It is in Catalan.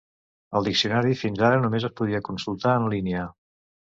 El diccionari fins ara només es podia consultar en línia.